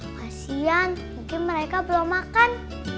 kasian mungkin mereka belum makan